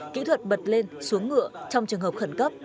kỹ thuật bật lên xuống ngựa trong trường hợp khẩn cấp